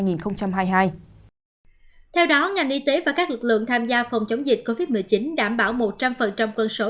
theo đó ngành y tế và các lực lượng tham gia phòng chống dịch covid một mươi chín đảm bảo một trăm linh quân số